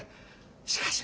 しかしね